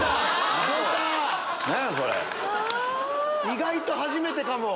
意外と初めてかも。